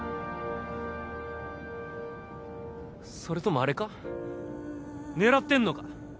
それともあれか狙ってんのか？